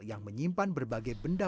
yang menyimpan berbagai benda